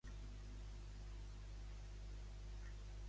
Les Pime gironines facturen menys que les de la resta de Catalunya.